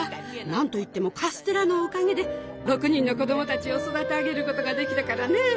何といってもカステラのおかげで６人の子供たちを育て上げることができたからね。